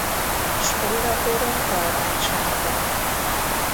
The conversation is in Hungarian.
Spórapora halványsárga.